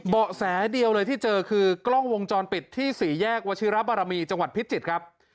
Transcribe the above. เบาะแสเดียวเลยที่เจอคือกล้องวงจรปิดที่สี่แยกวชิระบารมีจังหวัดพิจิตรครับ